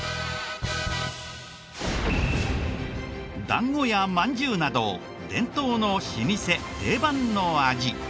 団子やまんじゅうなど伝統の老舗・定番の味。